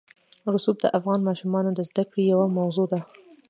رسوب د افغان ماشومانو د زده کړې یوه موضوع ده.